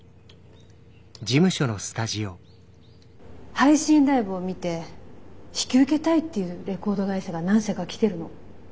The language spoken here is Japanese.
配信ライブを見て引き受けたいっていうレコード会社が何社か来てるの。